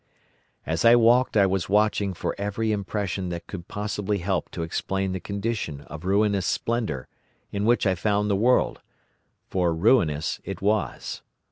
"As I walked I was watching for every impression that could possibly help to explain the condition of ruinous splendour in which I found the world—for ruinous it was.